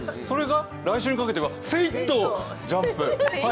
それが来週にかけてはセイっとジャンプ。